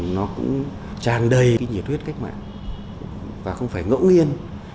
nó cũng tràn đầy nhiệt huyết cách mạng và không phải ngẫu nghiên